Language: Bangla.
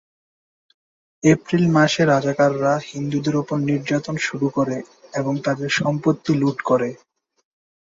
এপ্রিল মাসে, রাজাকাররা হিন্দুদের উপর নির্যাতন শুরু করে এবং তাদের সম্পত্তি লুট করে।